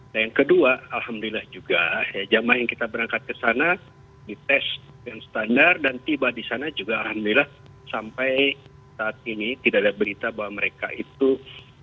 nah yang kedua alhamdulillah juga jamaah yang kita berangkat ke sana dites dengan standar dan tiba di sana juga alhamdulillah sampai saat ini tidak ada berita bahwa mereka itu